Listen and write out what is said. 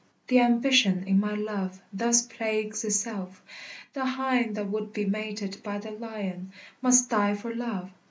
The ambition in my love thus plagues itself: The hind that would be mated by the lion Must die for love.